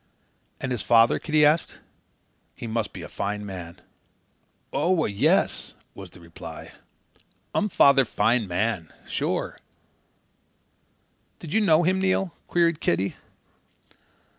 "And his father?" Kitty asked. "He must be a fine man." "Oo a, yes," was the reply. "Um father fine man. Sure!" "Did you know him, Neil?" queried Kitty.